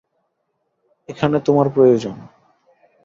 এখানে তোমায় প্রয়োজন।